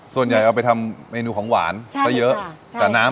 ส่วนใหญ่เอาไปทำเมนูของหวานก็เยอะแต่น้ำ